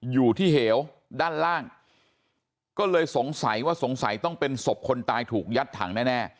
อยู่ที่เหวด้านล่างก็เลยสงสัยว่าสงสัยต้องเป็นศพคนตายถูกยัดถังแน่